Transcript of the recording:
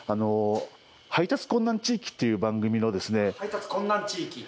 「配達困難地域」っていう番組のですね。